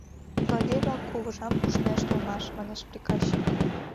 «Злодей-влак кугыжам пуштнешт улмаш», — манеш приказчик.